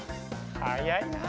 はやいなあ！